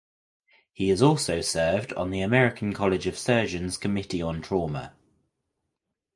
He has also served on the American College of Surgeons Committee on Trauma.